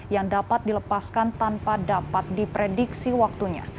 yang dapat dilepaskan tanpa dapat diprediksi waktunya